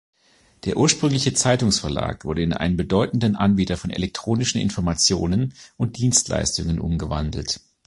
Der ursprüngliche Zeitungsverlag wurde in einen bedeutenden Anbieter von elektronischen Informationen und Dienstleistungen umgewandelt.